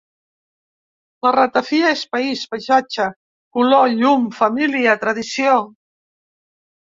La ratafia és país, paisatge, color, llum, família, tradició.